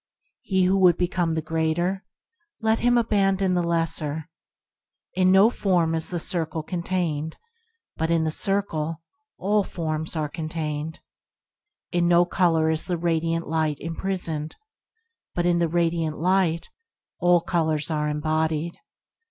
He who would become the Greater, let him abandon the lesser. In no form is the circle contained, but in the circle all forms are contained. In no color is the radiant light imprisoned, but in the radiant light all colors are embodied.